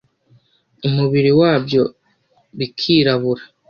Umubiri wabyo bikirabura.